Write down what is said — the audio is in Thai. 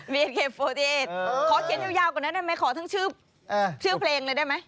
บิเอ็นเค๔๘ขอเขียนยาวก่อนนะได้ไหมขอทั้งชื่อเพลงเลยได้ไหม